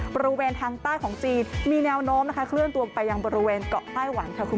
บริเวณทางใต้ของจีนมีแนวน้อมเคลื่อนตัวไปยังบริเวณเกาะใต้หวัน